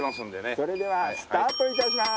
それではスタート致します！